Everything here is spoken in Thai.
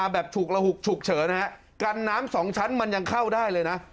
ฉุกระหุกฉุกเฉินกันน้ำสองชั้นมันยังเข้าได้เลยนะ